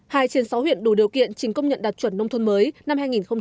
hai trên sáu huyện đủ điều kiện chính công nhận đạt chuẩn nông thôn mới năm hai nghìn một mươi tám